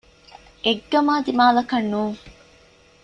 އެއްގަމާ ދިމާލަކަށް ނޫން